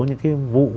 những cái vụ